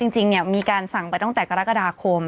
จริงมีการสั่งไปตั้งแต่กรกฎาคม